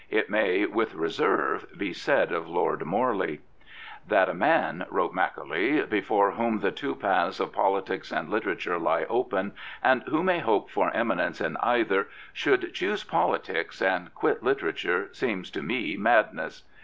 It may, with reserve, be said of Lord Morley. " That a man,'' wrote Macaulay, " before whom the two paths of politics and literature lie open, and who may hope for eminence in either, should choose politics and quit literature seems to me madness."